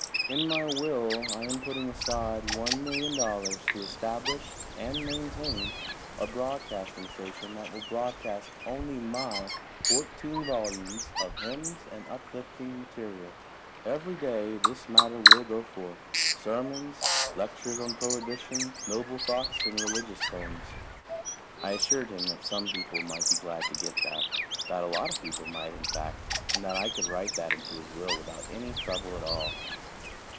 In my will I am putting aside one million dollars to establish and maintain a broadcasting station that will broadcast only my fourteen volumes of hymns and uplifting material. Every day this matter will go forth sermons, lectures on prohibition, noble thoughts and religious poems." I assured him that some people might be glad to get that that a lot of people might, in fact, and that I could write that into his will without any trouble at all.